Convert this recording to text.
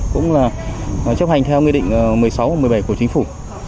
cũng là chấp hành theo nguyên định một mươi sáu và một mươi bảy của chính phủ